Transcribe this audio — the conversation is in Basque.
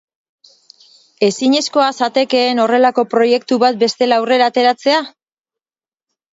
Ezinezkoa zatekeen horrelako proiektu bat bestela aurrera ateratzea?